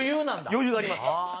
余裕があります。